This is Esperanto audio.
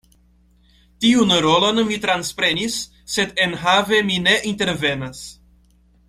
Tiun rolon mi transprenis, sed enhave mi ne intervenas.